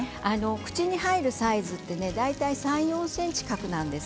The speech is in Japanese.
口に入るサイズは大体３、４ｃｍ角なんです。